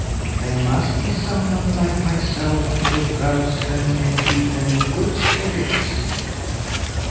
There must be some one like myself to rouse them and keep them in good spirits."